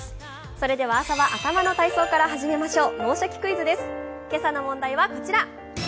それでは朝は頭の体操からお伝えしましょう。